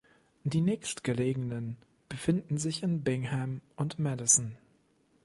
Die nächstgelegenen befinden sich in Bingham und Madison.